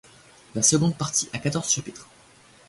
La seconde partie a quatorze chapitres.